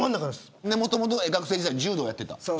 もともと学生時代に柔道をやってた。